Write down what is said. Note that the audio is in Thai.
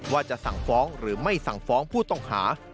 ว่าจะสั่งฟ้องหรือไม่สั่งฟ้องผู้ต้องหา